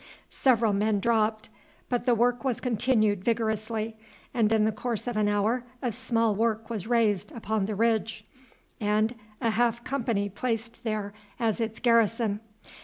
Several men dropped, but the work was continued vigorously, and in the course of an hour a small work was raised upon the ridge, and a half company placed there as its garrison.